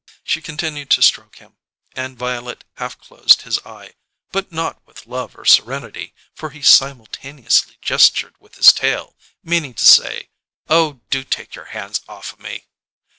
She continued to stroke him, and Violet half closed his eye, but not with love or serenity, for he simultaneously gestured with his tail, meaning to say: "Oh, do take your hands off o' me!"